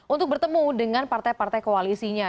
untuk bertemu dengan partai partai koalisinya